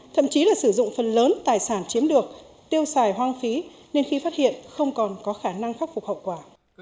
thậm chí là sử dụng phần lớn tài sản chiếm được tiêu xài hoang phí nên khi phát hiện không còn có khả năng khắc phục hậu quả